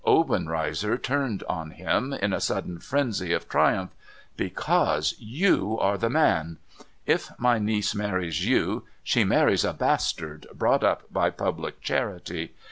Obenreizer turned on him, in a sudden frenzy of triumph. ' Because yoii are the man ! If my niece marries you, she marries a bastard, brought up by public charity.